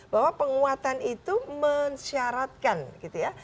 bahwa penguatan itu mensyaratkan gitu ya